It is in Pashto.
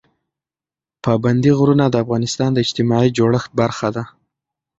پابندي غرونه د افغانستان د اجتماعي جوړښت برخه ده.